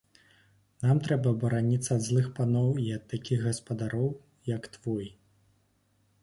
Нам трэба бараніцца ад злых паноў і ад такіх гаспадароў, як твой.